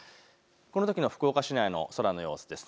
このときの福岡市内の空の様子です。